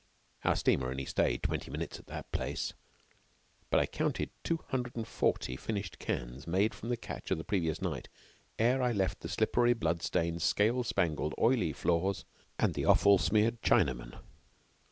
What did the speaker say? Our steamer only stayed twenty minutes at that place, but I counted two hundred and forty finished cans made from the catch of the previous night ere I left the slippery, blood stained, scale spangled, oily floors and the offal smeared Chinamen.